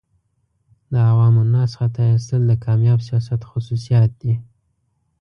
د عوام الناس خطا ایستل د کامیاب سیاست خصوصیات دي.